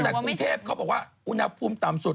แต่กรุงเทพเขาบอกว่าอุณหภูมิต่ำสุด